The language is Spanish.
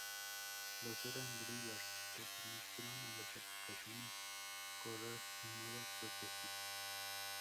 Los eran "drivers" que permitieron a las aplicaciones correr en modo protegido.